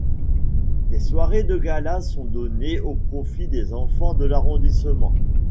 Des soirées de gala sont données au profit des enfants de l'arrondissement.